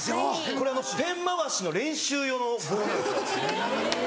これペン回しの練習用の棒なんですよ。